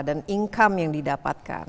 dan income yang didapatkan